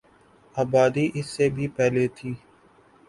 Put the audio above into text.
آبادی اس سے بھی پہلے تھی